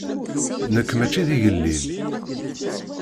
Nekk maci d igellil.